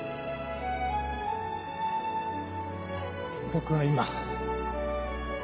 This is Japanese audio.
僕は今。